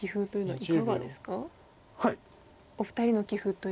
はい。